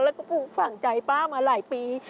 แล้วก็ปลูกฝั่งใจป้ามาหลายปี